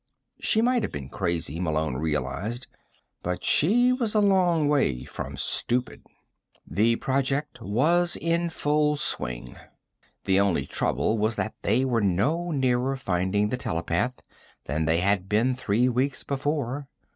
She might have been crazy, Malone realized. But she was a long way from stupid. The project was in full swing. The only trouble was that they were no nearer finding the telepath than they had been three weeks before.